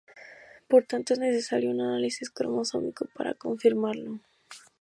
Por tanto, es necesario un análisis cromosómico para confirmarlo.